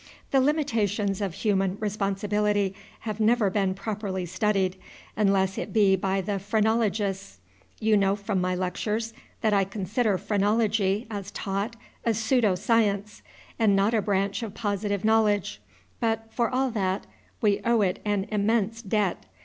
The limitations of human responsibility have never been properly studied, unless it be by the phrenologists. You know from my lectures that I consider phrenology, as taught, a pseudo science, and not a branch of positive knowledge; but, for all that, we owe it an immense debt.